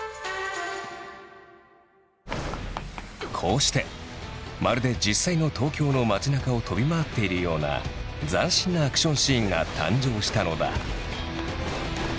こうしてまるで実際の東京の街なかを飛び回っているような斬新なアクションシーンが誕生したのだ。